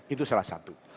itu salah satu